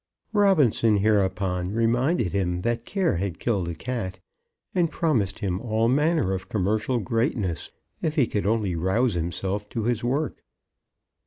Robinson hereupon reminded him that care had killed a cat; and promised him all manner of commercial greatness if he could only rouse himself to his work.